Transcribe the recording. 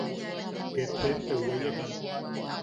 Ket jenteu weyekan.